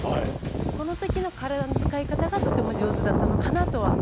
この時の体の使い方がとても上手だったのかなとは。